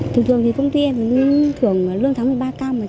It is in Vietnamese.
thường thường công ty em thưởng lương thắng một mươi ba cao